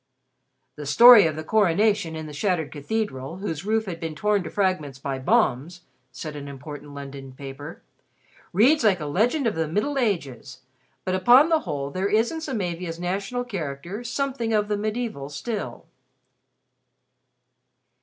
"The story of the Coronation in the shattered Cathedral, whose roof had been torn to fragments by bombs," said an important London paper, "reads like a legend of the Middle Ages. But, upon the whole, there is in Samavia's national character, something of the mediaeval, still."